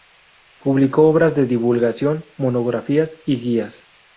Publicó obras de divulgación, monografías y guías.